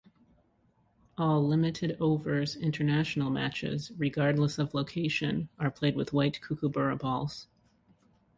All limited overs international matches, regardless of location, are played with white Kookaburra balls.